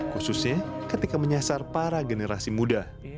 khususnya ketika menyasar para generasi muda